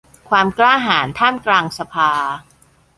ความกล้าหาญท่ามกลางสภา